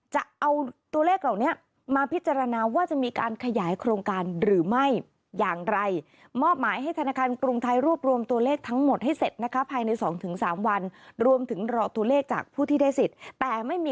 จะเอาตัวเลขเหล่านี้มาพิจารณาว่าจะมีการขยายโครงการหรือไม่อย่างไร